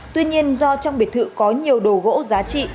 tuy nhiên do trong biệt thự có nhiều đồ gỗ giá trị